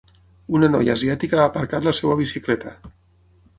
Una noia asiàtica ha aparcat la seva bicicleta